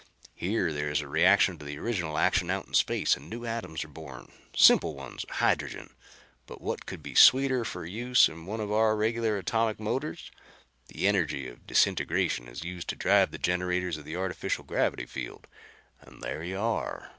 Here there is a reaction to the original action out in space and new atoms are born, simple ones of hydrogen. But what could be sweeter for use in one of our regular atomic motors? The energy of disintegration is used to drive the generators of the artificial gravity field, and there you are.